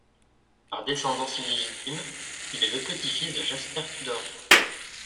Par descendance illégitime, il est le petit-fils de Jasper Tudor.